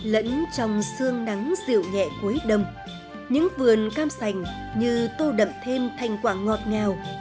lẫn trong xương nắng dịu nhẹ cuối đầm những vườn cam sành như tô đậm thêm thành quả ngọt ngào